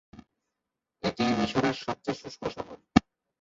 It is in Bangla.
এটি মিশরের সবচেয়ে শুষ্ক শহর।